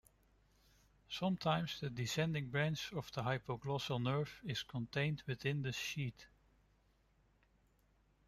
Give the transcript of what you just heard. Sometimes the descending branch of the hypoglossal nerve is contained within the sheath.